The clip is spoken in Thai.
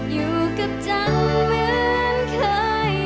อยู่กับเจ้าเหมือนเคย